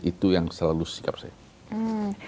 itu yang selalu sikap saya